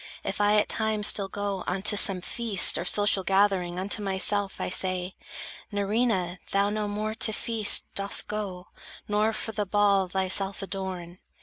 If I at times still go unto some feast, Or social gathering, unto myself I say: "Nerina, thou no more to feast Dost go, nor for the ball thyself adorn."